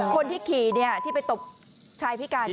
คนที่ขี่ที่ไปตบชายพิการ